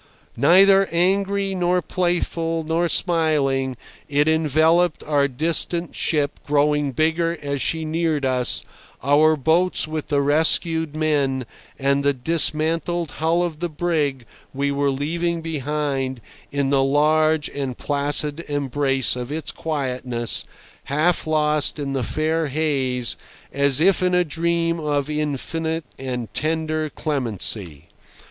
Neither angry, nor playful, nor smiling, it enveloped our distant ship growing bigger as she neared us, our boats with the rescued men and the dismantled hull of the brig we were leaving behind, in the large and placid embrace of its quietness, half lost in the fair haze, as if in a dream of infinite and tender clemency.